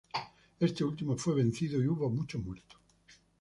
Este último fue vencido y hubo muchos muertos.